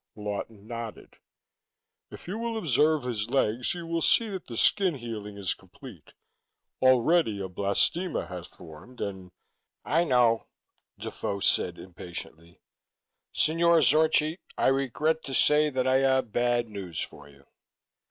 Lawton nodded. "If you will observe his legs, you will see that the skin healing is complete; already a blastema has formed and " "I know," Defoe said impatiently. "Signore Zorchi, I regret to say that I have bad news for you."